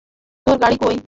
তোর গাড়ি কই?